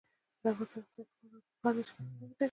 د افغانستان د اقتصادي پرمختګ لپاره پکار ده چې کرنه وده وکړي.